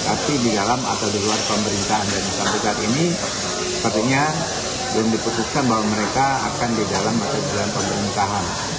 tapi di dalam atau di luar pemerintahan dan di saat saat ini sepertinya belum diperkutukan bahwa mereka akan di dalam atau di luar pemerintahan